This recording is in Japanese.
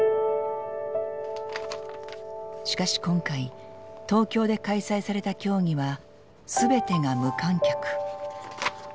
しかし今回東京で開催された競技は全てが無観客。